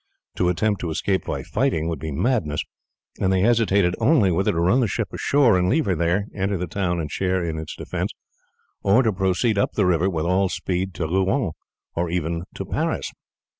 To attempt to escape by fighting would be madness, and they hesitated only whether to run the ship ashore, and, leaving her there, enter the town and share in its defence, or to proceed up the river with all speed to Rouen, or even to Paris.